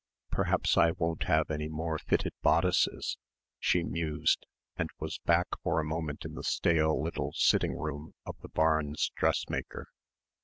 "Perhaps I won't have any more fitted bodices," she mused and was back for a moment in the stale little sitting room of the Barnes dressmaker.